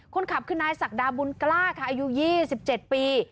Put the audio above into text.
คนขับคือนายศักดาบุญกล้าค่ะอายุยี่สิบเจ็ดปี